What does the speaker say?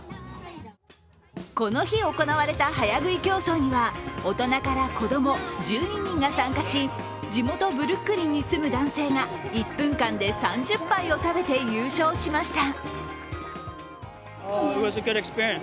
この日行われた早食い競争には、大人から子供１２人が参加し地元ブルックリンに住む男性が１分間で３０杯を食べて優勝しました。